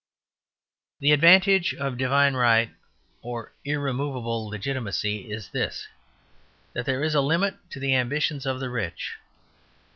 The advantage of "divine right," or irremovable legitimacy, is this; that there is a limit to the ambitions of the rich.